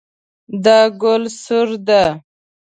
دا ګل سور ده